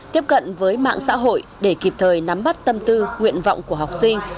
tiếp cận với mạng xã hội để kịp thời nắm bắt tâm tư nguyện vọng của học sinh